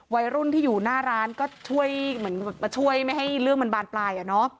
วัยรุ่นที่อยู่หน้าร้านก็ช่วยไม่ให้เรื่องมันบานปลาย